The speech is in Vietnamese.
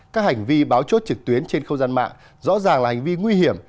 các hành vi báo chốt trực tuyến trên không gian mạng rõ ràng là hành vi nguy hiểm